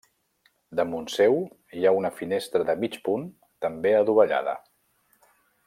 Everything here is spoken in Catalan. Damunt seu hi ha una finestra de mig punt també adovellada.